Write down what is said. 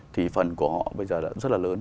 thì phần của họ bây giờ rất là lớn